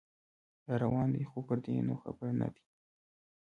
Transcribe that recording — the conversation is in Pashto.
راروان دی خو پردې نو خبر نه دی